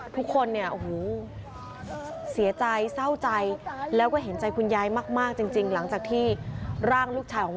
ทุกคนเสียใจเศร้าใจแล้วก็เห็นใจคุณยายมากจริง